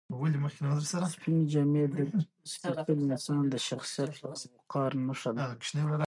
سپینې جامې د سپېڅلي انسان د شخصیت او وقار نښه ده.